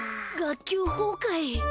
学級崩壊。